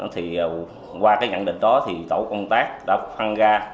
thì qua cái nhận định đó thì tổ công tác đã phân ra